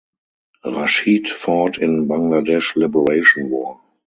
Rashid fought in Bangladesh Liberation war.